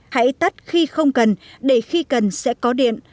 hãy tắt khi không cần để khi cần sẽ có điện